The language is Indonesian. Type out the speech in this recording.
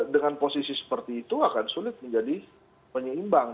dengan posisi seperti itu akan sulit menjadi penyeimbang